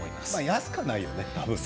安くはないよね。